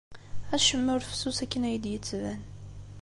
Acemma ur fessus akken ay d-yettban.